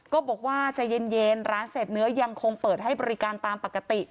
บอกว่าใจเย็นร้านเสพเนื้อยังคงเปิดให้บริการตามปกติ